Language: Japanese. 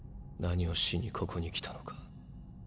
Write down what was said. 何をしにここに来たのか？